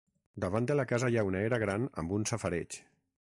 Davant de la casa hi ha una era gran amb un safareig.